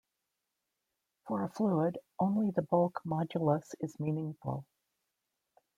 For a fluid, only the bulk modulus is meaningful.